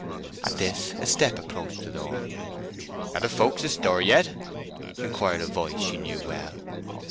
At this a step approached the door. "Are folk astir here yet?" inquired a voice she knew well.